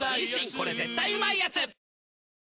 これ絶対うまいやつ」男性）